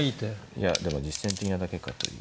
いやでも実戦的なだけかという。